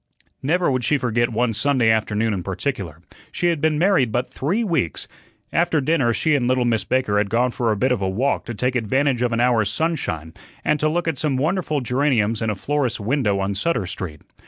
Never would she forget one Sunday afternoon in particular. She had been married but three weeks. After dinner she and little Miss Baker had gone for a bit of a walk to take advantage of an hour's sunshine and to look at some wonderful geraniums in a florist's window on Sutter Street.